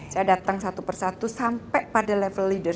saya datang satu persatu sampai pada level leaders